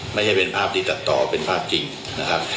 ไม่ใช่เป็นภาพที่ตัดต่อเป็นภาพจริงนะครับ